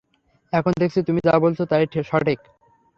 এখন দেখছি তুমি যা বলছ তাই সঠিক।